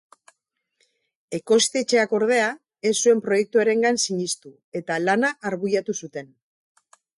Ekoiztetxeak ordea, ez zuen proiektuarengan sinistu eta lana arbuiatu zuten.